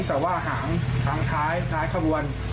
แต่ว่าหางท้ายท้ายเข้าบวน